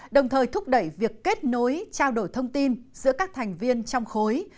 đồng thời thúc đẩy việc kết nối trao đổi thông tin giữa các thành viên trong khối